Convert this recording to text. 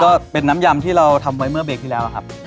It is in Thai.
ก็เป็นน้ำยำที่เราทำไว้เมื่อเบรกที่แล้วครับ